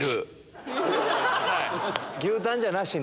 牛タンじゃなしに？